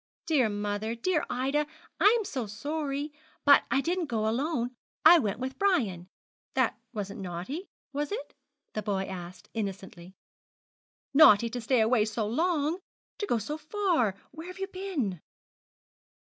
'Dear mother, dear Ida, I am so sorry. But I didn't go alone. I went with Brian. That wasn't naughty, was it?' the boy asked, innocently. 'Naughty to stay away so long to go so far. Where have you been?'